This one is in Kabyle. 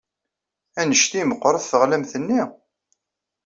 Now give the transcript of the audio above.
Anect ay meɣɣret teɣlamt-nni?